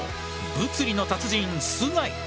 物理の達人須貝。